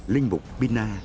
linh mục pina